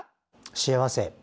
幸せ。